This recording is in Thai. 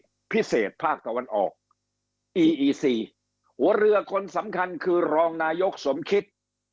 หัวเรือคนสำคัญคือรองนายกสมคิด